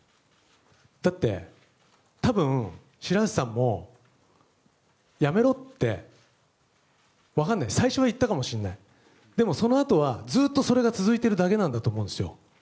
だって、多分、白波瀬さんもやめろって、分からないけど最初は言ったかもしれないけどでも、そのあとはずっとそれが続いているだけなんだと思うんですよ。